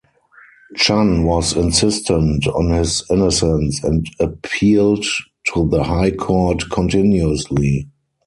Chan was insistent on his innocence and appealed to the high court continuously.